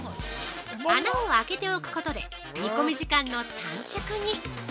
◆穴をあけておくことで煮込み時間の短縮に。